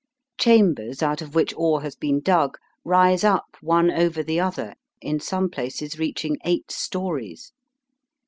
Chambers out of which ore has been dug rise up one over the other, in some places reaching eight stories.